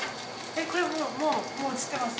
えっこれもうもう映ってます？